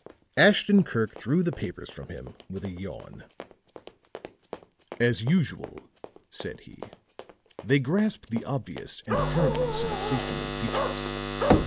Ashton Kirk threw the papers from him with a yawn. "As usual," said he, "they grasp the obvious and apparently sensational features.